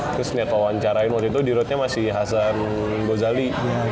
terus kebanyakan wawancarain waktu itu di roadnya masih hasan gozali